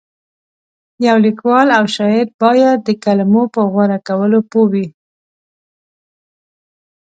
یو لیکوال او شاعر باید د کلمو په غوره کولو پوه وي.